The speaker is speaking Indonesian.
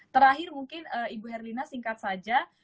terakhir mungkin ibu herlina singkat saja